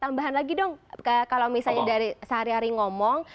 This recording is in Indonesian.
tambahan lagi dong kalau misalnya dari sehari hari ngomong